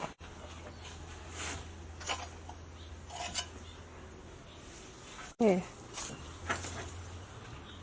พี่อย่าปล่อยแล้วพี่หอม